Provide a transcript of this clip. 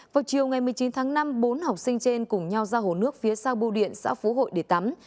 vào chiều ngày một mươi chín tháng năm bốn học sinh trên cùng nhau ra hồ nước phía sau bưu điện xã phú hội để tắm